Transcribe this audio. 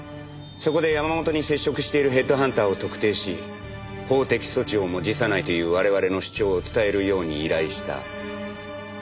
そこで山本に接触しているヘッドハンターを特定し法的措置をも辞さないという我々の主張を伝えるように依頼したというわけです。